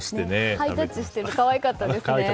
ハイタッチしてるの可愛かったですね。